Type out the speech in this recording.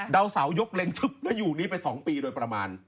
เดาเสายกเล็งซึปโดยอยู่นี้ไปสองปีโดยประมาณ